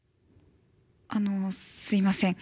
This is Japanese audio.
あのすいません。